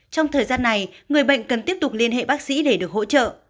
trong thời gian này người bệnh cần tiếp tục liên hệ bác sĩ để được hỗ trợ